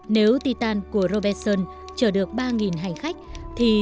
nếu titan của robertson chở được ba hành khách